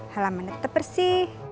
halaman tetap bersih